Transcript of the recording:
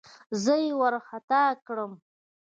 زه يې وارخطا کړم.